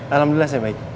alhamdulillah saya baik